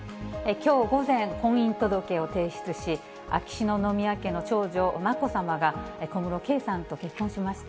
きょう午前、婚姻届を提出し、秋篠宮家の長女、まこさまが、小室圭さんと結婚しました。